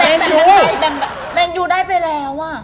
เออแม่งยูได้ไปแล้วอะ